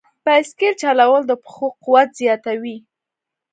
بایسکل چلول د پښو قوت زیاتوي.